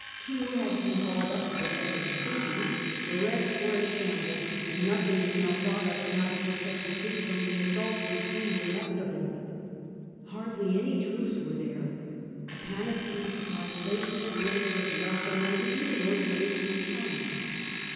Two had to be hauled up to prevent their sinking, the rest were a shambles, and nothing was now thought of but how to protect the city from the assault which seemed inevitable. Hardly any troops were there : a panic seized the population ; and Drake was left alone to do the work for which he had come.